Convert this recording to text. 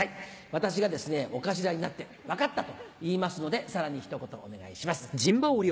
私がお頭になって「分かった」と言いますのでさらにひと言お願いします。